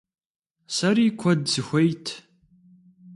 Сэри куэд сыхуейт.